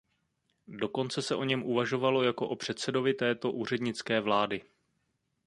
Dokonce se o něm uvažovalo jako o předsedovi této úřednické vlády.